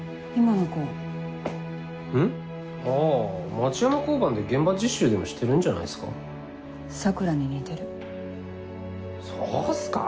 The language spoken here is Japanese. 町山交番で現場実習でもしてるんじゃない桜に似てるそうっすか？